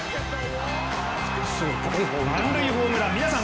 満塁ホームラン、皆さん